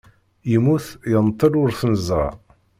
Yemmut, yenṭel ur t-neẓra.